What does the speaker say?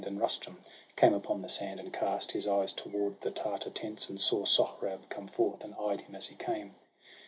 And Rustum came upon the sand, and cast His eyes toward the Tartar tents, and saw Sohrab come forth, and eyed him as he came.